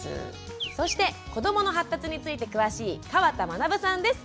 そして子どもの発達について詳しい川田学さんです。